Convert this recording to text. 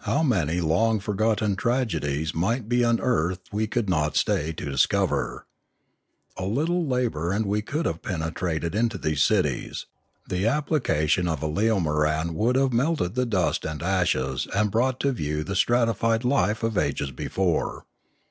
How many long forgotten tragedies might be un earthed we could not stay to discover. A little labour and we could have penetrated into these cities; the application of a leomoran would have melted the dust and ashes and brought to view the stratified life of ages before.